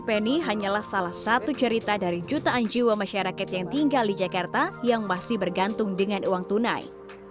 penny hanyalah salah satu cerita dari jutaan jiwa masyarakat yang tinggal di jakarta yang masih bergantung dengan uang tunai